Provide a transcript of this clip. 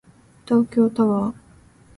東京タワー